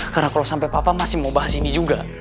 karena kalau sampai papa masih mau bahas ini juga